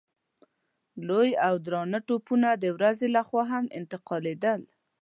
لوی او درانه توپونه د ورځې له خوا هم انتقالېدل.